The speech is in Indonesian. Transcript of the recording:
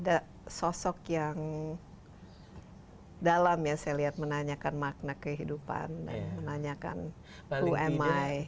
ada sosok yang dalam ya saya lihat menanyakan makna kehidupan dan menanyakan umi